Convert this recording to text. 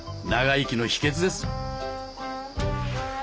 長生きの秘訣です。